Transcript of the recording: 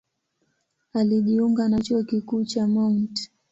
Alijiunga na Chuo Kikuu cha Mt.